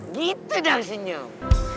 gitu dah senyum